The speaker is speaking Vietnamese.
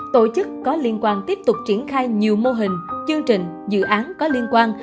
tổ chức có liên quan tiếp tục triển khai nhiều mô hình chương trình dự án có liên quan